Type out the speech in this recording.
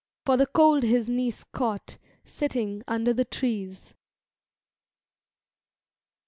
s For the cold his niece caught, sitting under the Trees.